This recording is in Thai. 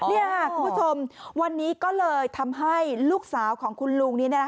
นี่ค่ะคุณผู้ชมวันนี้ก็เลยทำให้ลูกสาวของคุณลุงนี้